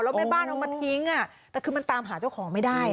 แล้วแม่บ้านเอามาทิ้งแต่คือมันตามหาเจ้าของไม่ได้